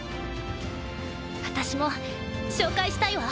私も紹介したいわ。